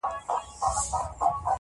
پۀ ماسومتوب كې بۀ چي خپلې مور هغه وهله-